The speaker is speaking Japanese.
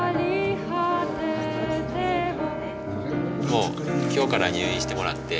もう今日から入院してもらって。